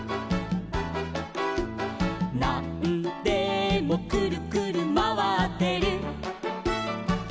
「なんでもくるくるまわってる」